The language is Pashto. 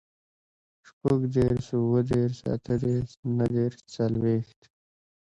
شپوږدېرس, اوهدېرس, اتهدېرس, نهدېرس, څلوېښت